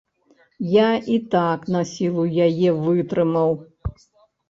Я і так насілу яе вытрымаў.